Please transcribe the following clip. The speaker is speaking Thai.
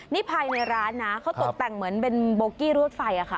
นี่ภายในร้านนะเขาตกแต่งเหมือนเป็นโบกี้รวดไฟอะค่ะ